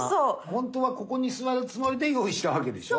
ほんとはここに座るつもりで用意したわけでしょ？